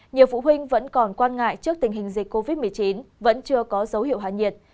nhiều phụ huynh vẫn còn quan ngại trước tình hình dịch covid một mươi chín vẫn chưa có dấu hiệu hạ nhiệt